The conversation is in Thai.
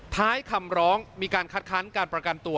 ท้ายคำร้องมีการคัดค้านการประกันตัว